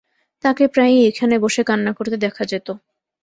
তাকে প্রায়ই এখানে বসে কান্না করতে দেখা যেত।